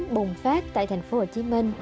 bùng phát tại tp hcm